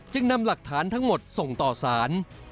นำหลักฐานทั้งหมดส่งต่อสาร